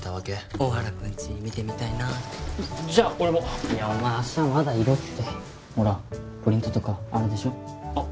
大原君ち見てみたいなってじゃあ俺もいやお前芦屋はまだいろってほらプリントとかあるでしょあっ